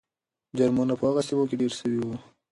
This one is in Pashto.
جرمونه په هغو سیمو کې ډېر سوي وو.